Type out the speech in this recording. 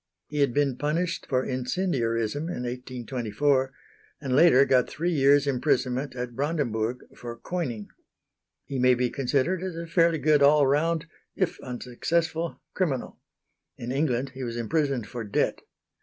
He had been punished for incendiarism in 1824, and later got three years' imprisonment at Brandenburg for coining. He may be considered as a fairly good all round if unsuccessful criminal. In England he was imprisoned for debt.